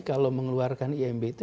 kalau mengeluarkan imb itu